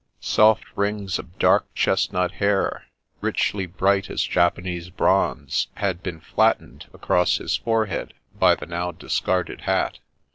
Soft rings of dark, chestnut hair, richly bright as Japanese bronze, had been flattened across his forehead by the now discarded hat.